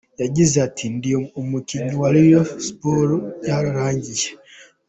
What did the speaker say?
Yagize ati “Ndi umukinnyi wa Rayon Sports, byararangiye.